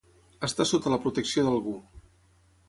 Estar sota la protecció d'algú.